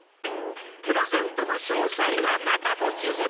［プレゼントの詳細はまた後ほど］